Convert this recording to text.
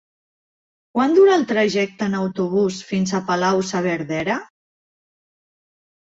Quant dura el trajecte en autobús fins a Palau-saverdera?